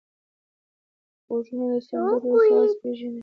غوږونه د سندرو ساز پېژني